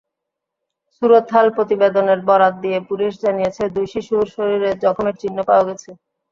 সুরতহাল প্রতিবেদনের বরাত দিয়ে পুলিশ জানিয়েছে, দুই শিশুর শরীরে জখমের চিহ্ন পাওয়া গেছে।